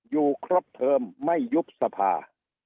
อยู่ครบเทอมไม่ยุบสภา